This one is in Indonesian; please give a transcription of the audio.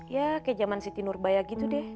ya kayak zaman siti nurbaya gitu deh